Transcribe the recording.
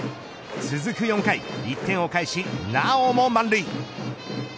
続く４回１点を返し、なおも満塁。